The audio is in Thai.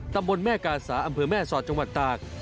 ตำบลแม่กาสาอำเภอแม่สอดจังหวัดตาก